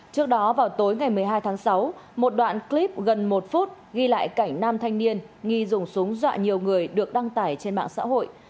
trước đó vào tối ngày một mươi hai tháng sáu một đoạn clip gần một phút ghi lại cảnh nam thanh niên nghi dùng súng dọa nhiều người được đăng tải trên mạng xã hội